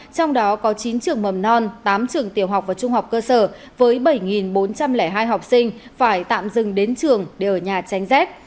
trong đó có chín trường mầm non tám trường tiểu học và trung học cơ sở với bảy bốn trăm linh hai học sinh phải tạm dừng đến trường để ở nhà tránh rét